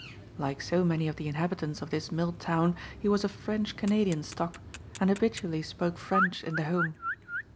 Like so many of the inhabitants of this mill town he was of French Canadian stock and habitually spoke French in the home.